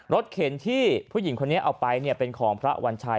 เข็นที่ผู้หญิงคนนี้เอาไปเป็นของพระวัญชัย